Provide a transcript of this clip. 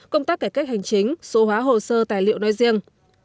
công tác cải cách hành chính số hóa hồ sơ tài liệu nói riêng